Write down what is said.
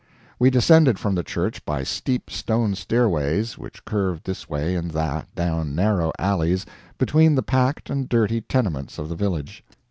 We descended from the church by steep stone stairways which curved this way and that down narrow alleys between the packed and dirty tenements of the village.